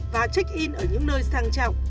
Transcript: và check in ở những nơi sang trọng